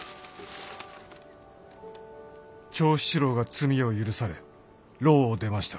「長七郎が罪を赦され牢を出ました」。